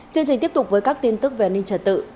chương trình tiếp tục với các tin tức về an ninh trật tự